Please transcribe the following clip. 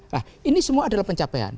nah ini semua adalah pencapaian